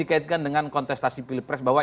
dikaitkan dengan kontestasi pilpres bahwa